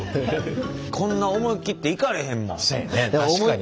こんな思い切っていかれへんもん。